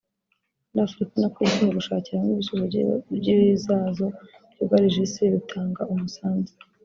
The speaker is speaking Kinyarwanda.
muri Afurika no ku isi mu gushakira hamwe ibisubizo by’ibizazo byugarije isi rutanga umusanzu